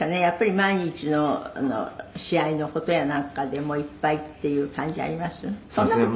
「やっぱり毎日の試合の事やなんかでいっぱいっていう感じあります？」